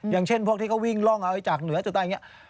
อย่างเช่นพวกที่เขาวิ่งร่องเอาจากเหนือจากใต้อย่างนี้